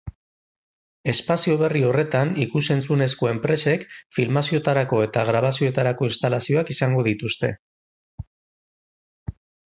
Espazio berri horretan ikus-entzunezko enpresek filmazioetarako eta grabazioetarako instalazioak izango dituzte.